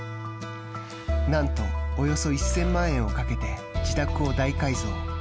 なんと、およそ１０００万円をかけて自宅を大改造。